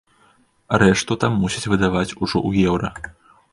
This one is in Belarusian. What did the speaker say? Рэшту там мусяць выдаваць ужо ў еўра.